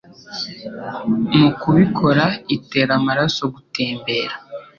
Mu kubikora itera amaraso gutembera